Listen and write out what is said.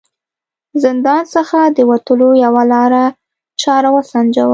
زندان څخه د وتلو یوه لاره چاره و سنجوم.